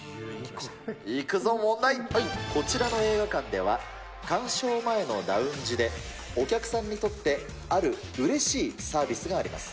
いくぞ、問題、こちらの映画館では、鑑賞前のラウンジでお客さんにとってあるうれしいサービスがあります。